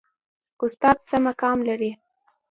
استاد څه مقام لري؟